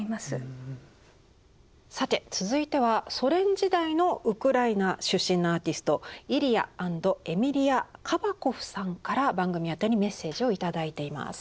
さて続いてはソ連時代のウクライナ出身のアーティストイリヤ＆エミリア・カバコフさんから番組宛てにメッセージを頂いています。